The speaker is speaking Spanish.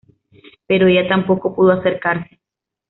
Pero ella tampoco pudo acercarse.